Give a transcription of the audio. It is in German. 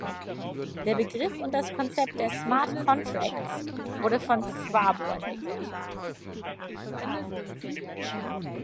Der Begriff und das Konzept der „Smart Contracts“ wurde von Szabo entwickelt.